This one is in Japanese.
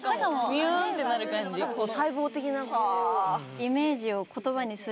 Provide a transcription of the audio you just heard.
ミューンってなる感じこの。